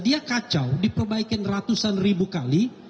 dia kacau diperbaikin ratusan ribu kali